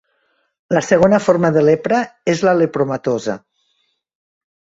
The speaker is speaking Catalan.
La segona forma de lepra és la "lepromatosa".